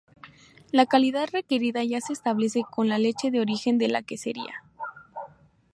La calidad requerida ya se establece con la leche de origen de la quesería.